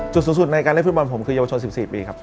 สูงสุดในการเล่นฟุตบอลผมคือเยาวชน๑๔ปีครับ